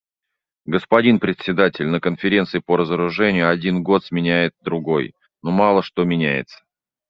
Господин Председатель, на Конференции по разоружению один год сменяет другой, но мало что меняется.